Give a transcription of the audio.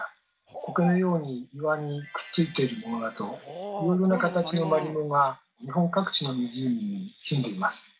コケのように岩にくっついているものなどいろいろな形のマリモが日本各地の湖にすんでいます。